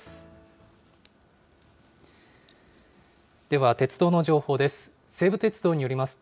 では鉄道の情報です。